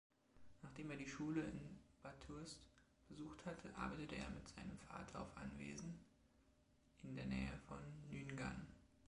Nachdem er die Schule in Bathurst besucht hatte, arbeitete er mit seinem Vater auf Anwesen in der Nähe von Nyngan.